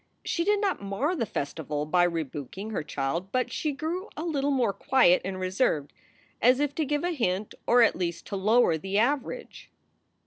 She did not mar the festival by rebuking her child, but she grew a little more quiet and reserved, as if to give a hint, or at least to lower the average.